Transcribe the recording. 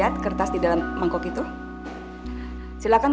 ya jadi tugas khususnya apa bu